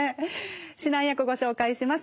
指南役ご紹介します。